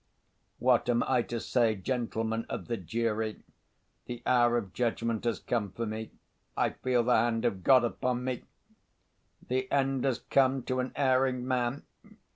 "What am I to say, gentlemen of the jury? The hour of judgment has come for me, I feel the hand of God upon me! The end has come to an erring man!